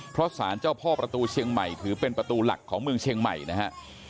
เพราะสารเจ้าพ่อประตูเชียงใหม่ถือเป็นประตูหลักของเมืองเชียงใหม่นะฮะ